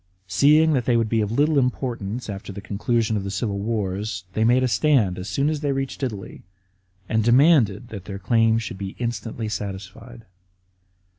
Seeing that they would be of little importance after the conclusion of the civil wars, they made a stand as soon as they reached Italy, and demanded that their claims should be instantly satisfied.